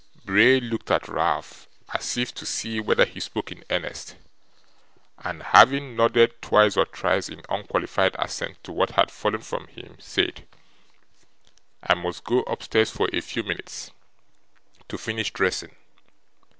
Bray looked at Ralph as if to see whether he spoke in earnest, and having nodded twice or thrice in unqualified assent to what had fallen from him, said: 'I must go upstairs for a few minutes, to finish dressing.